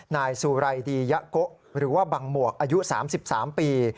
นายสุไรดียะโกะหรือว่าบังหมวกอายุ๓๓ปี